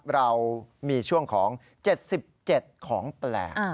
เรามีช่วงของ๗๗ของแปลก